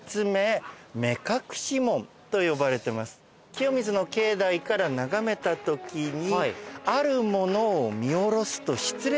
清水の境内から眺めたときに。